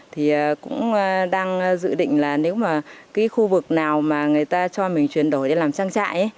thì cũng đang dự định là nếu mà cái khu vực nào mà người ta cho mình chuyển đổi đi làm trang trại